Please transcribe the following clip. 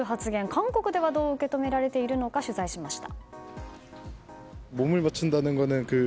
韓国ではどう受け止められているか取材しました。